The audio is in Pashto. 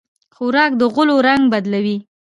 خوراک د غولو رنګ بدلوي.